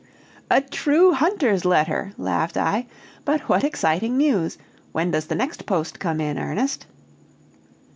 "A true hunter's letter!" laughed I; "but what exciting news. When does the next post come in, Ernest?"